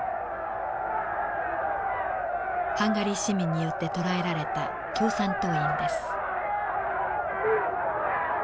ハンガリー市民によって捕らえられた共産党員です。